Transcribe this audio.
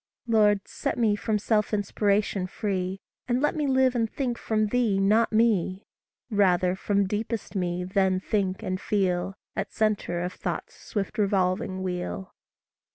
Lord, set me from self inspiration free, And let me live and think from thee, not me Rather, from deepest me then think and feel, At centre of thought's swift revolving wheel.